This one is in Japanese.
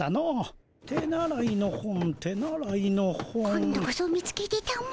今度こそ見つけてたも。